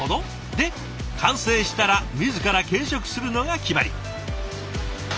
で完成したら自ら検食するのが決まり。